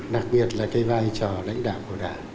đặc biệt là cái vai trò lãnh đạo của đảng